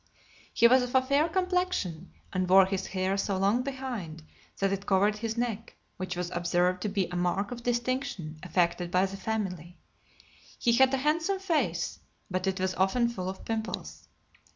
He was of a fair complexion, and wore his hair so long behind, that it covered his neck, which was observed to be a mark of distinction affected by the family. He had a handsome face, but it was often full of pimples.